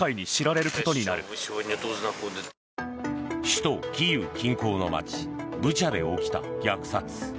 首都キーウ近郊の街ブチャで起きた虐殺。